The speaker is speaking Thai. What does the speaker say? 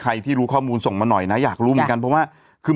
ที่รู้ข้อมูลส่งมาหน่อยนะอยากรู้เหมือนกันเพราะว่าคือ